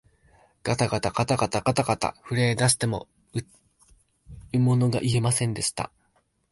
がたがたがたがた、震えだしてもうものが言えませんでした